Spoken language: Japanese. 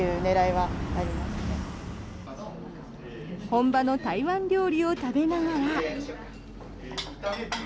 本場の台湾料理を食べながら。